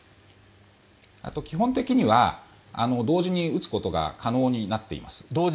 基本的には同時に打つことが可能になっています。